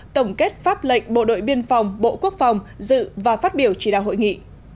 tổng kết pháp lệnh bộ đội biên phòng bộ quốc phòng dự và phát biểu chỉ đạo hội nghị